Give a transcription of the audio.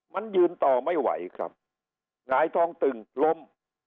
มันยืนต่อไม่ไหวครับหงายท้องตึงล้ม